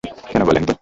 কেনো বলেন তো।